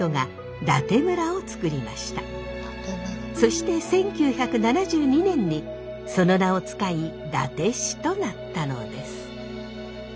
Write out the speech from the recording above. そして１９７２年にその名を使い伊達市となったのです。